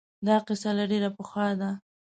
دا قصه له ډېر پخوا ده